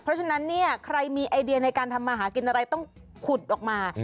เพราะฉะนั้นเนี่ยใครมีไอเดียในการทำมาหากินอะไรต้องขุดออกมา